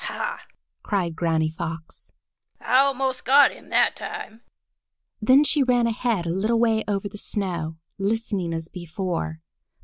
"Ha!" cried Granny Fox, "I almost got him that time!" Then she ran ahead a little way over the snow, listening as before.